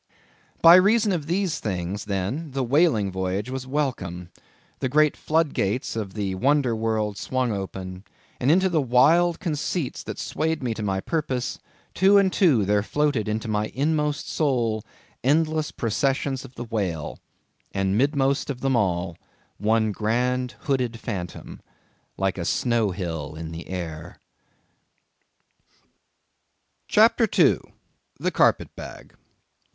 By reason of these things, then, the whaling voyage was welcome; the great flood gates of the wonder world swung open, and in the wild conceits that swayed me to my purpose, two and two there floated into my inmost soul, endless processions of the whale, and, mid most of them all, one grand hooded phantom, like a snow hill in the air. CHAPTER 2. The Carpet Bag.